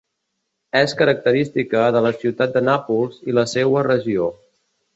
És característica de la ciutat de Nàpols i la seua regió.